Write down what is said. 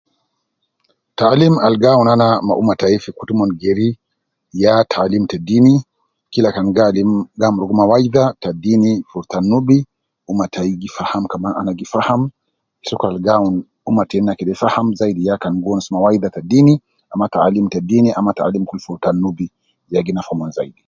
Taalim algi awunu ana ma ummmah tayi fi kutu umon geeri ya taalim te dini kila kan gaalimu gamurugu mawaidah ta diini fi rutan nubi, ummah tayi faham kaman ana gi faham sokol al gaawunu ummah gi faham ana kaman gi faham sokol al gaawunu ummah tayi ya ka gi wonusu mawaidha ta dinii